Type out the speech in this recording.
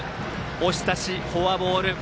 押し出し、フォアボール。